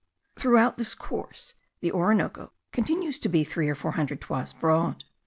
Throughout this course the Orinoco continues to be three or four hundred toises broad.